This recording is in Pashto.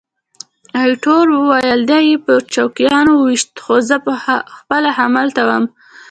ایټور وویل: دی یې په چوکیانو وویشت، زه خپله همالته وم.